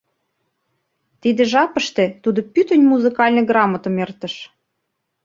Тиде жапыште тудо пӱтынь музыкальный грамотым эртыш.